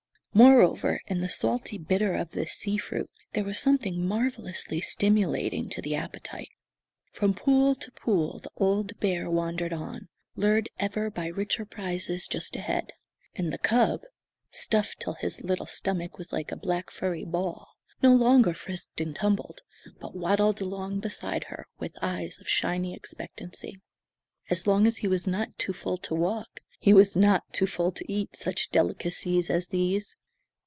Moreover, in the salty bitter of this sea fruit there was something marvelously stimulating to the appetite. From pool to pool the old bear wandered on, lured ever by richer prizes just ahead; and the cub, stuffed till his little stomach was like a black furry ball, no longer frisked and tumbled, but waddled along beside her with eyes of shining expectancy. As long as he was not too full to walk, he was not too full to eat such delicacies as these.